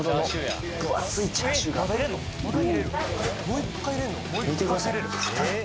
もう一回入れんの？